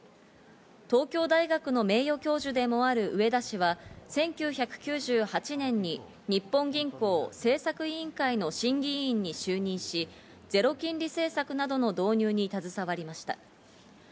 東京大学の名誉教授でもある植田氏は１９９８年に日本銀行政策委員会の審議委員に就任し、ゼロ金利政策などの導入に携わりました。